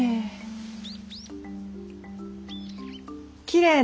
きれい？